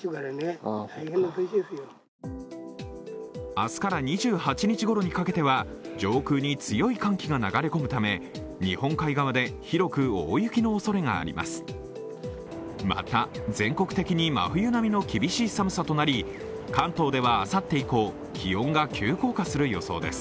明日から２８日ごろにかけては上空に強い寒気が流れ込むため日本海側で広く大雪のおそれがあります。